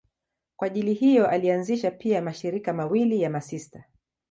Kwa ajili hiyo alianzisha pia mashirika mawili ya masista.